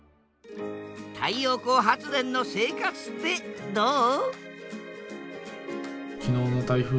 太陽光発電の生活ってどう？